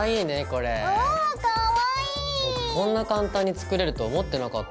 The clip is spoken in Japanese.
こんな簡単に作れるとは思ってなかった。